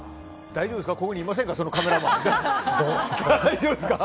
大丈夫ですね。